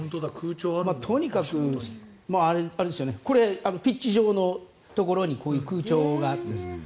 とにかくピッチ上のところにこういう空調があって。